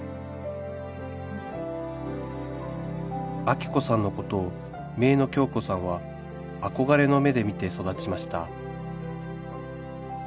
アキ子さんのことを姪の京子さんは憧れの目で見て育ちました